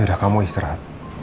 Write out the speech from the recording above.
ya udah kamu istirahat